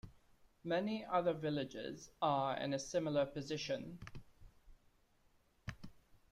Many other villages are in a similar position.